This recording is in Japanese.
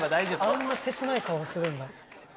あんな切ない顔するんだ。